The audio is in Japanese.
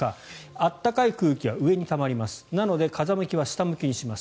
暖かい空気は上にたまりますなので風向きは下向きにします。